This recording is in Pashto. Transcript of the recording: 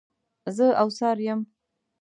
زه اوڅار یم.